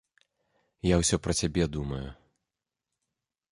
Я ўсё пра цябе думаю.